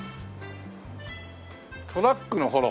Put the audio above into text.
トラックの幌